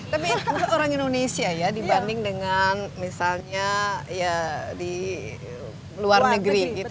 tapi untuk orang indonesia ya dibanding dengan misalnya di luar negeri